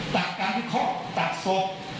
แต่การพิคลอบจากศพ